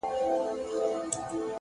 لوړ هدف لویه انرژي زېږوي